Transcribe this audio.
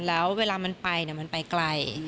แล้วเวลามันไปมันไปไกล